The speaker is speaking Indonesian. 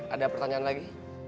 ada pertanyaan lagi